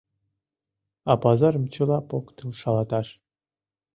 А пазарым чыла поктыл шалаташ!